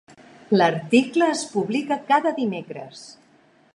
L'article es publica cada dimecres.